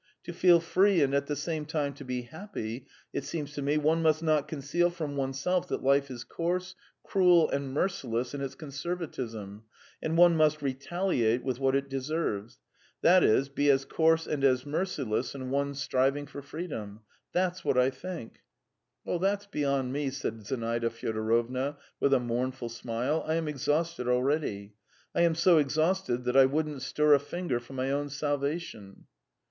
To feel free and at the same time to be happy, it seems to me, one must not conceal from oneself that life is coarse, cruel, and merciless in its conservatism, and one must retaliate with what it deserves that is, be as coarse and as merciless in one's striving for freedom. That's what I think." "That's beyond me," said Zinaida Fyodorovna, with a mournful smile. "I am exhausted already. I am so exhausted that I wouldn't stir a finger for my own salvation."